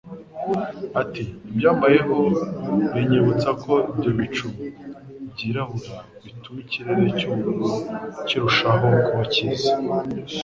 Ati: "Ibyambayeho binyibutsa ko ibyo bicu byirabura bituma ikirere cyubururu kirushaho kuba cyiza."